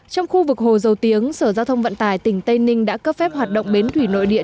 trong khu vực hồ dầu tiếng sở giao thông vận tải tỉnh tây ninh đã cấp phép hoạt động bến thủy nội địa